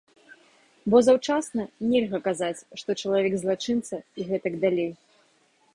Бо заўчасна нельга казаць, што чалавек злачынца і гэтак далей.